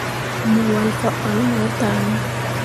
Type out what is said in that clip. Mo walle fah balla no tah ne ?